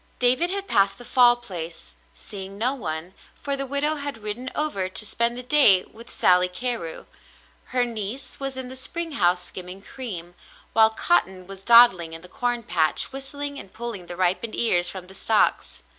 David had passed the Fall Place, seeing no one ; for the widow had ridden over to spend the day with Sally Carew, her niece was in the spring house skimming cream, while Cotton was dawdling in the corn patch whistling and pulling the ripened ears from the stalks.